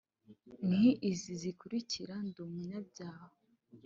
nki izi zikurikira Ndi umunyabyaha